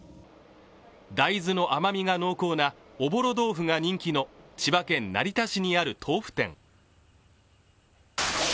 大豆の甘みが濃厚なおぼろ豆腐が人気の千葉県成田市にある豆腐店。